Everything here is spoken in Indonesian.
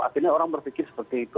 akhirnya orang berpikir seperti itu